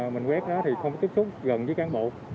mình quét đó thì không có tiếp xúc gần với cán bộ